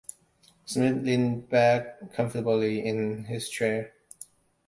Smith leaned back comfortably in his chair.